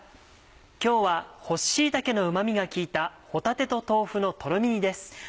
今日は干し椎茸のうま味が効いた帆立と豆腐のとろみ煮です。